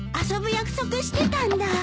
遊ぶ約束してたんだ。